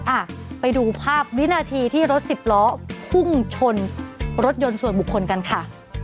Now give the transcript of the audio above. อ่ะไปดูภาพวินาทีที่รถสิบล้อพุ่งชนรถยนต์ส่วนบุคคลกันค่ะ